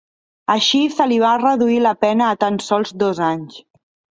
Així se li va reduir la pena a tan sols dos anys.